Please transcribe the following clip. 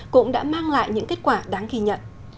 cũng đã mang lại những kết quả đáng ghi nhận